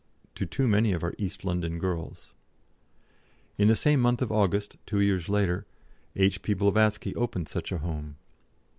to too many of our East London girls." In the same month of August, two years later, H.P. Blavatsky opened such a home.